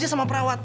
dia sama perawat